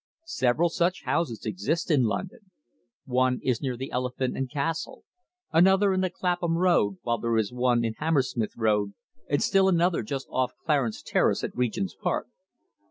Several such houses exist in London. One is near the Elephant and Castle, another in the Clapham Road, while there is one in Hammersmith Road, and still another just off Clarence Terrace at Regent's Park.